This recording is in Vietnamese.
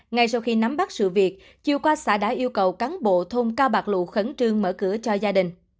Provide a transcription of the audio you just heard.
ngay sau khi nắm bắt sự việc chiều qua xã đã yêu cầu cán bộ thôn cao bạc lụ khẩn trương mở cửa cho gia đình